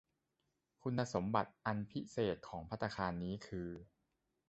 คุณสมบัติอันพิเศษของภัตตาคารนี้คือ